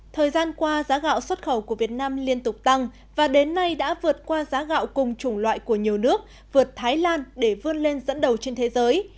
thời gian qua giá gạo xuất khẩu của việt nam liên tục tăng và đến nay đã vượt qua giá gạo cùng chủng loại của nhiều nước vượt thái lan để vươn lên dẫn đầu trên thế giới